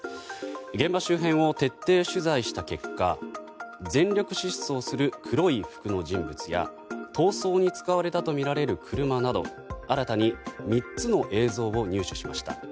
現場周辺を徹底取材した結果全力疾走する黒い服の人物や逃走に使われたとみられる車など新たに３つの映像を入手しました。